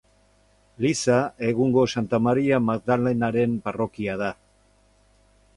Eliza, egungo Santa Maria Magdalenaren parrokia da.